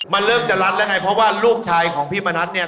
มันเริ่มจะรัดแล้วไงเพราะว่าลูกชายของพี่มณัฐเนี่ย